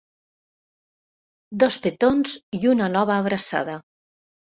Dos petons i una nova abraçada.